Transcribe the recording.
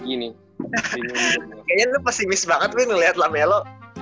pesimis banget menurut gue ngeliat lamelo